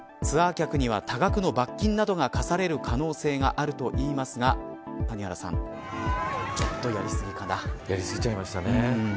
ツアー客には多額の罰金などが科される可能性があるといいますが谷原さんやり過ぎちゃいましたね。